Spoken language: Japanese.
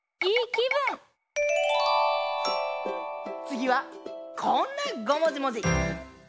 つぎはこんなごもじもじ。